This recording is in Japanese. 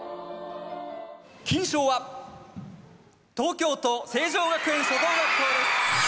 金賞は東京都成城学園初等学校です。